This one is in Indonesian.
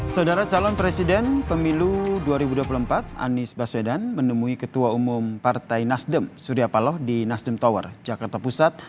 saudara calon presiden pemilu dua ribu dua puluh empat anies baswedan menemui ketua umum partai nasdem surya paloh di nasdem tower jakarta pusat